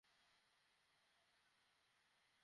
তাই তুমি এতিমখানা ছেড়ে চলে গেলে।